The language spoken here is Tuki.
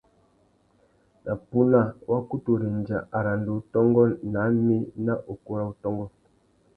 Na puna, wa kutu rendza aranda-utôngô ná mí nà ukú râ wutôngô.